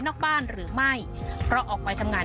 นอกบ้านหรือไม่เพราะออกไปทำงาน